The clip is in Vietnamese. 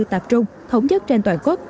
tạp trung thống nhất trên toàn quốc